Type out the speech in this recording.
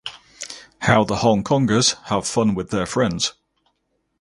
How the Hongkongers have fun with their friends.